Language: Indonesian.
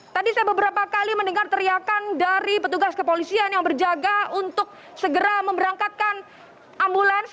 tadi saya beberapa kali mendengar teriakan dari petugas kepolisian yang berjaga untuk segera memberangkatkan ambulans